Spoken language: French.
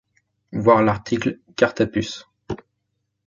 Voir l'article carte à puce.